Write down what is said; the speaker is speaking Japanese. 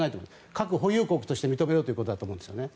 核保有国として認めろということだと思うんですよね。